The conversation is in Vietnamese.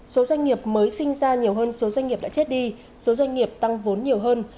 số doanh nghiệp mới sinh ra nhiều hơn số doanh nghiệp đã chết đi số doanh nghiệp tăng vốn nhiều hơn